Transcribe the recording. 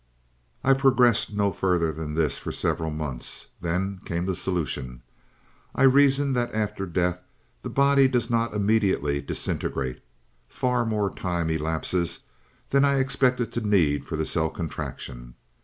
"I progressed no further than this for several months. Then came the solution. I reasoned that after death the body does not immediately disintegrate; far more time elapses than I expected to need for the cell contraction.